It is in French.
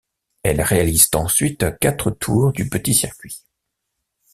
Elles réalisent ensuite quatre tours du petit circuit.